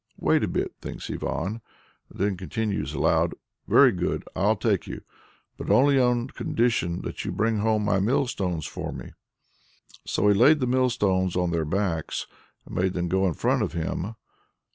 "Wait a bit!" thinks Ivan, and then continues aloud, "Very good, I'll take you; but only on condition that you bring home my mill stones for me." So he laid the mill stones on their backs, and made them go on in front of him.